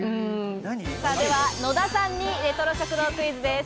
野田さんにレトロ食堂クイズです。